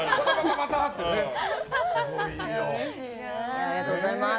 ありがとうございます。